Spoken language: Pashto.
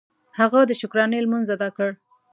هغه د شکرانې لمونځ ادا کړ.